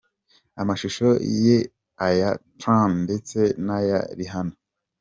amashusho ye aya Tran ndetse naya Rihanna.